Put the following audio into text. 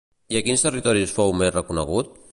I a quins territoris fou més reconegut?